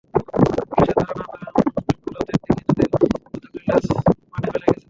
পুলিশের ধারণা, ভোররাতের দিকে তাঁদের হত্যা করে লাশ মাঠে ফেলে গেছে দুর্বৃত্তরা।